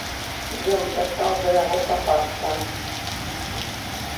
Ён пачаў да яго капацца.